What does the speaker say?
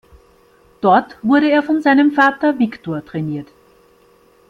Dort wurde er von seinem Vater Wiktor trainiert.